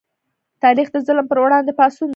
تاریخ د ظلم پر وړاندې پاڅون دی.